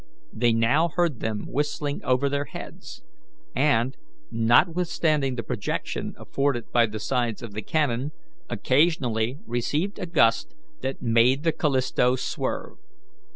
They now heard them whistling over their heads, and, notwithstanding the protection afforded by the sides of the canon, occasionally received a gust that made the Callisto swerve.